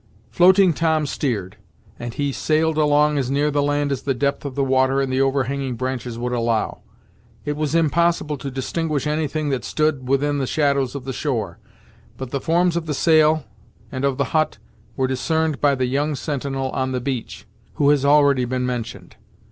Floating Tom steered, and he sailed along as near the land as the depth of the water and the overhanging branches would allow. It was impossible to distinguish anything that stood within the shadows of the shore, but the forms of the sail and of the hut were discerned by the young sentinel on the beach, who has already been mentioned.